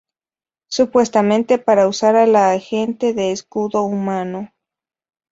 Supuestamente para usar a la agente de escudo humano.